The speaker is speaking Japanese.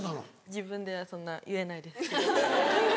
自分ではそんな言えないです。